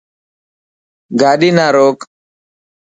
گاڏي نا روڪ.